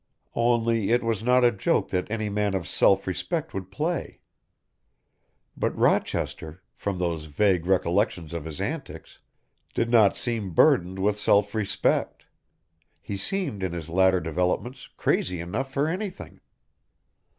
Only it was not a joke that any man of self respect would play. But Rochester, from those vague recollections of his antics, did not seem burdened with self respect. He seemed in his latter developments crazy enough for anything.